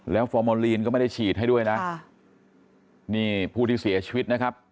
แล้วฟอร์โมลีนก็ไม่ได้ฉีดให้ด้วยนะนี่ผู้ที่เสียชีวิตนะครับ